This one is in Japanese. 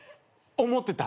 思ってた。